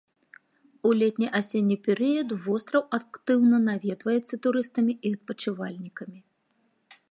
У летне-асенні перыяд востраў актыўна наведваецца турыстамі і адпачывальнікамі.